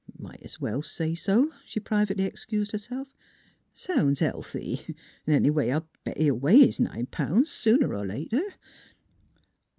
" Might 's well say so," she privately excused herself. " Sounds healthy, 'n' anyway, I'll bet he'll weigh his nine pounds, sooner or later."